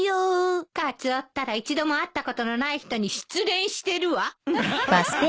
カツオったら一度も会ったことのない人に失恋してるわ。